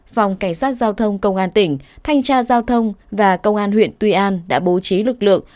phòng cảnh sát giao thông công an tỉnh thanh tra giao thông và công an huyện tuy an đã bố trí lực lượng